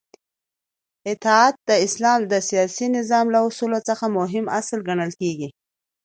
اطاعت د اسلام د سیاسی نظام له اصولو څخه مهم اصل ګڼل کیږی